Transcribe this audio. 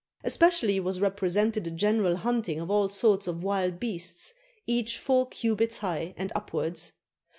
Especially was represented a general hunting of all sorts of wild beasts, each four cubits high and upwards.